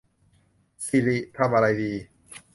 สิริ ทำอะไรดี